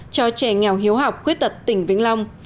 cho trẻ nghèo hiếu học khuyết tật tỉnh vĩnh long